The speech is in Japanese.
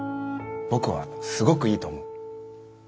僕はすごくいいと思う。